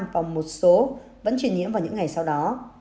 và một số vẫn trình nhiễm vào những ngày sau đó